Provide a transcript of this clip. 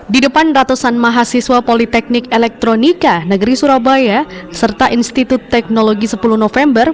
di depan ratusan mahasiswa politeknik elektronika negeri surabaya serta institut teknologi sepuluh november